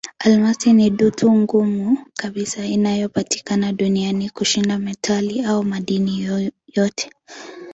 Almasi ni dutu ngumu kabisa inayopatikana duniani kushinda metali au madini yote.